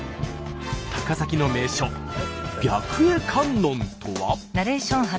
高崎の名所白衣観音とは？